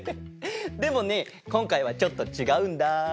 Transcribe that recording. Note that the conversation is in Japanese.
でもねこんかいはちょっとちがうんだ。